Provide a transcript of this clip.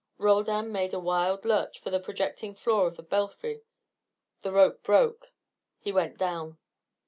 Roldan made a wild lurch for the projecting floor of the belfry. The rope broke. He went down.